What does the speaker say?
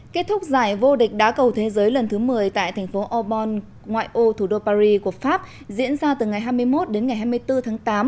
kết thúc giải vô địch đá cầu thế giới lần thứ một mươi tại thành phố aubon ngoại ô thủ đô paris của pháp diễn ra từ ngày hai mươi một đến ngày hai mươi bốn tháng tám